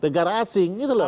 negara asing gitu loh